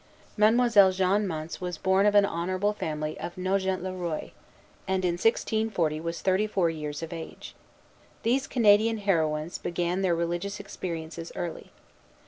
Mademoiselle Jeanne Mance was born of an honorable family of Nogent le Roi, and in 1640 was thirty four years of age. These Canadian heroines began their religious experiences early.